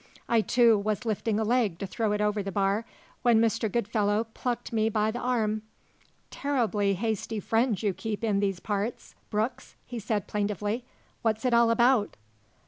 I, too, was lifting a leg to throw it over the bar, when Mr. Goodfellow plucked me by the arm. "Terribly hasty friends you keep in these parts, Brooks," he said plaintively. "What's it all about?"